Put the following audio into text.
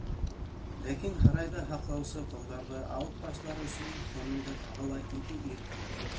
Ләкин һарайҙы һаҡлаусы ҡолдарҙы алып ташлар өсөн, кәмендә тағы ла ике ир кәрәк.